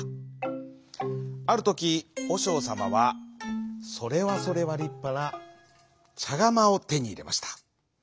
あるときおしょうさまはそれはそれはりっぱなちゃがまをてにいれました。